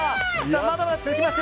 まだまだ続きますよ。